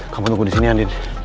kamu tunggu di sini andin